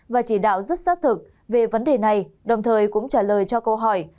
và chỉ đạo rất xác thực về vấn đề này đồng thời cũng trả lời cho câu hỏi